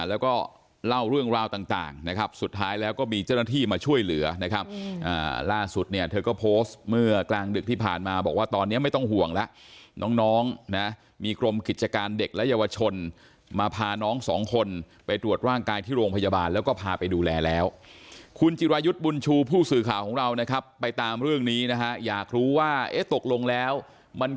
แล้วก็เล่าเรื่องราวต่างนะครับสุดท้ายแล้วก็มีเจ้าหน้าที่มาช่วยเหลือนะครับ